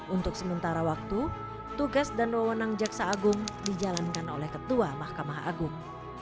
untuk sementara waktu tugas dan wawonang jaksa agung dijalankan oleh ketua mahkamah agung